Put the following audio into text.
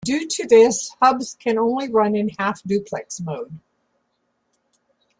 Due to this, hubs can only run in half duplex mode.